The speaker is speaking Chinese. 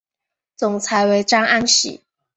总裁为张安喜。